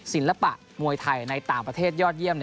ศิลปะมวยไทยในต่างประเทศยอดเยี่ยม